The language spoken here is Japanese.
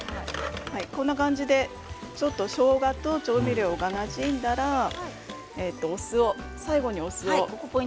こんな感じでちょっとしょうがと調味料がなじんだら最後に、お酢を。